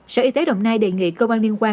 sở y tế đồng nai đề nghị cơ quan liên quan